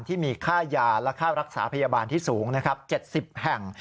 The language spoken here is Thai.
ที่มีค่ายาและค่ารักษาพยาบาลที่สูง๗๐แห่ง